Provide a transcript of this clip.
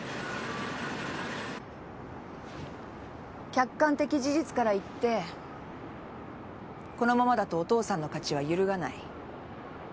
客観的事実から言ってこのままだとお父さんの勝ちは揺るがない。